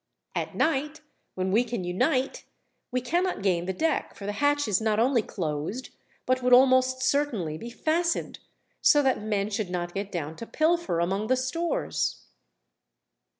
At night, when we can unite, we cannot gain the deck, for the hatch is not only closed, but would almost certainly be fastened, so that men should not get down to pilfer among the stores."